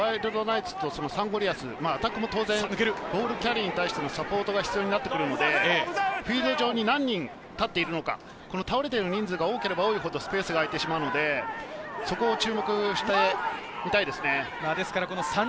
今日はワイルドナイツとサンゴリアス、アタックも当然、ボールキャリーに対してのサポートが必要になるので、フィールド上に何人立っているのか、倒れている人数が多ければ多いほどすスペースが空いてしまうので、そこを注目してみたいですね。